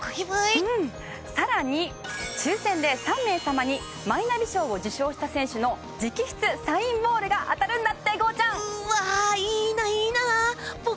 更に抽選で３名様にマイナビ賞を受賞した選手の直筆サインボールが当たるんだって！